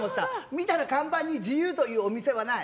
見たら看板に自由というお店はない。